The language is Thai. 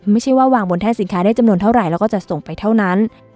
ไม่ใช่ว่าวางบนแท่นสินค้าได้จำนวนเท่าไหร่แล้วก็จะส่งไปเท่านั้น